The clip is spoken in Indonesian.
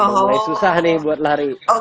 mulai susah nih buat lari